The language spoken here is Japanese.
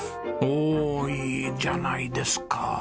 おおいいじゃないですか。